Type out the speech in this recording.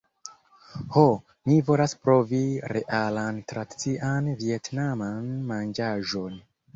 "Ho, mi volas provi realan tradician vjetnaman manĝaĵon